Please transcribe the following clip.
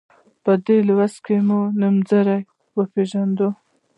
په دې لوست کې به نومځري وپيژنو.